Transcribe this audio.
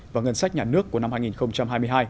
và ngân sách nhà nước của năm hai nghìn hai mươi hai